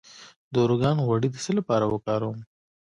د ارګان غوړي د څه لپاره وکاروم؟